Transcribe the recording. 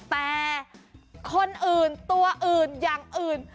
แต่คนอื่นตัวอื่นอย่างอื่น